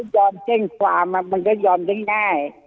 ยอมแจ้งความมันก็ยอมได้ง่าย